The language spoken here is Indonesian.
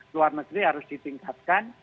luar negeri harus ditingkatkan